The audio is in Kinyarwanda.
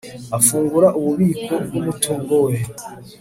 afungura ububiko bw'umutungo we